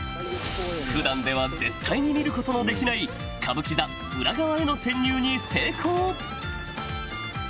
普段では絶対に見ることのできないへの潜入に成功